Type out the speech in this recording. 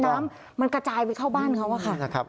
น้ำมันกระจายไปเข้าบ้านเขาอะค่ะ